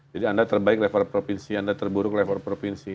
jadi anda terbaik level provinsi anda terburuk level provinsi